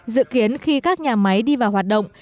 dự kiến khi các nhà máy đi vào hoạt động